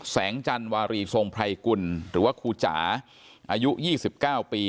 แสงจันวารีทรงไพรกุลหรือว่าครูจ๋าอายุยี่สิบเก้าปี